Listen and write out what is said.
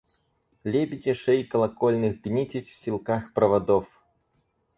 Лебеди шей колокольных, гнитесь в силках проводов!